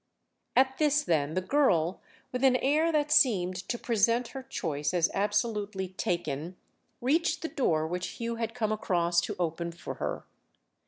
At this then the girl, with an air that seemed to present her choice as absolutely taken, reached the door which Hugh had come across to open for her.